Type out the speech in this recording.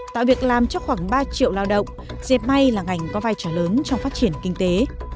tạo việc làm cho khoảng ba triệu lao động dẹp may là ngành có vai trò lớn trong phát triển kinh tế